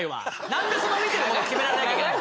何でそんな見てるもの決められなきゃいけないんだ！